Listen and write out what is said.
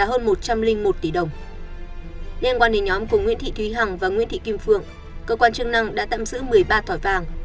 liên quan đến nhóm của nguyễn thị thúy hằng và nguyễn thị kim phượng cơ quan chức năng đã tạm giữ một mươi ba thỏi vàng